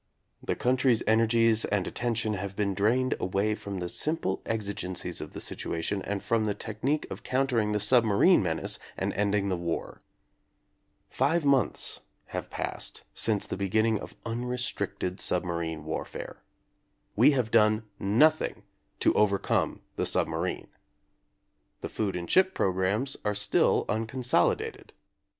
The country's energies and at tention have been drained away from the simple exigencies of the situation and from the technique of countering the submarine menace and ending the war. Five months have passed since the be ginning of unrestricted submarine warfare. We have done nothing to overcome the submarine. The food and ship programmes are still uncon solidated.